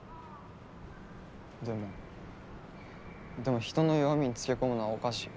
でもでも人の弱みにつけこむのはおかしい。